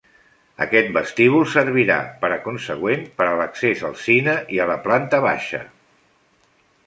Aquest vestíbul servirà, per consegüent, per a l'accés al cine i a la planta baixa.